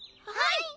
はい！